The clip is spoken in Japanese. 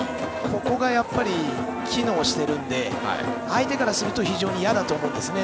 ここがやっぱり機能しているので相手からすると非常にいやだと思うんですね。